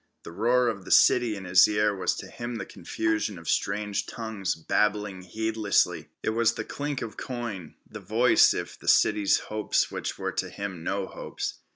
The roar of the city in his ear was to him the confusion of strange tongues, babbling heedlessly; it was the clink of coin, the voice if the city's hopes which were to him no hopes.